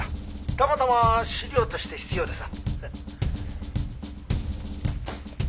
たまたま資料として必要でさ」